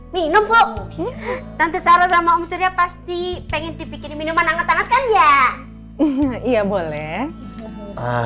minum buk tante sarah sama om surya pasti pengen dipikir minuman angkat angkat ya iya boleh ah